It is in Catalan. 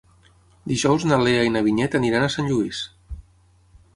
Dijous na Lea i na Vinyet aniran a Sant Lluís.